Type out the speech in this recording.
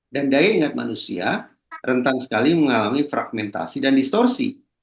dan daya ingat manusia rentan sekali mengalami fragmentasi dan distorsi